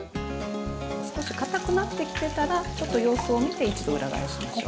少しかたくなってきてたらちょっと様子を見て一度裏返しましょう。